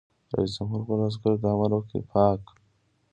رئیس جمهور خپلو عسکرو ته امر وکړ؛ پاک!